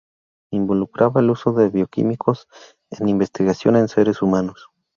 Involucraba el uso de bioquímicos en investigación en seres humanos.